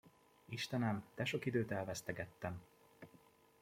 Istenem, de sok időt elvesztegettem!